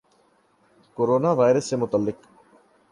corona virus سے متعلق